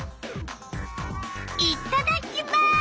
いっただきます！